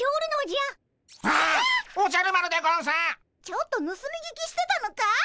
ちょっとぬすみ聞きしてたのかい？